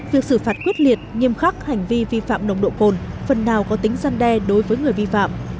việc xử phạt quyết liệt nghiêm khắc hành vi vi phạm nồng độ cồn phần nào có tính gian đe đối với người vi phạm